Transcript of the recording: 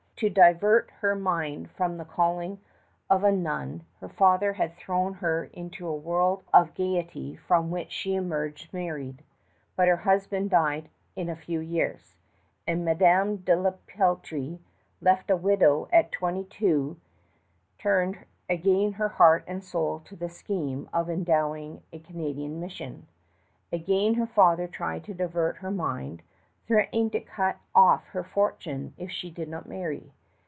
To divert her mind from the calling of a nun, her father had thrown her into a whirl of gayety from which she emerged married; but her husband died in a few years, and Madame de la Peltrie, left a widow at twenty two, turned again heart and soul to the scheme of endowing a Canadian mission. Again her father tried to divert her mind, threatening to cut off her fortune if she did not marry.